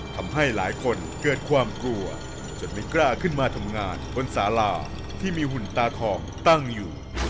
ทำให้หลายคนเกิดความกลัวจนไม่กล้าขึ้นมาทำงานบนสาราที่มีหุ่นตาทองตั้งอยู่